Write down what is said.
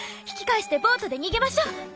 引き返してボートで逃げましょ。